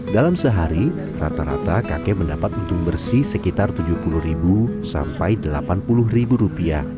dalam sehari rata rata kakek mendapat untung bersih sekitar rp tujuh puluh sampai rp delapan puluh